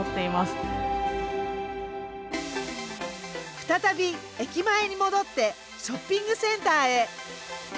再び駅前に戻ってショッピングセンターへ。